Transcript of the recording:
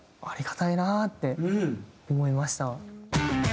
ありがたいなって思いました。